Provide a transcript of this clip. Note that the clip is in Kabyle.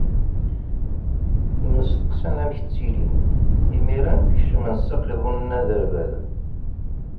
Mmesteqsan amek ttilin, imiren kecmen s aqiḍun n Aderbad.